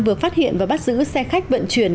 vừa phát hiện và bắt giữ xe khách vận chuyển